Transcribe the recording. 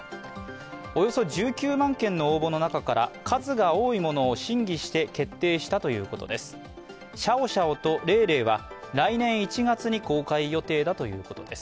およそ１９万件の応募の中から数が多いものを審議して決めたということです。